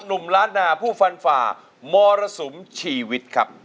นุ่มล้านหาผู้ฟ่ามรสมชีวิตครับ